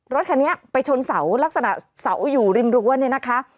รถคันนี้ไปชนเสาลักษณะเสาอยู่ริมรั้วเนี่ยนะคะ